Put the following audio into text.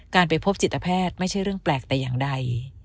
ไปพบจิตแพทย์ไม่ใช่เรื่องแปลกแต่อย่างใด